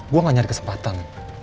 gue gak nyari kesempatan